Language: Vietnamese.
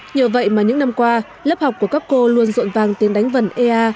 nhờ vậy mà những năm qua lớp học của các cô luôn rộn vang tiếng đánh vần ea